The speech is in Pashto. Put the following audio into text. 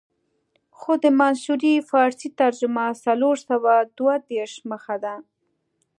خو د منصوري فارسي ترجمه څلور سوه دوه دېرش مخه ده.